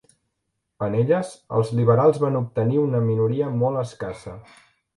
En elles, els liberals van obtenir una minoria molt escassa.